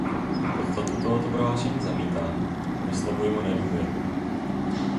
Podstatu tohoto prohlášení zamítám a vyslovuji mu nedůvěru.